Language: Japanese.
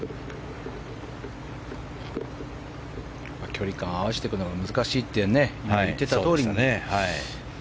距離感を合わせていくのが難しいと言っていたとおりの。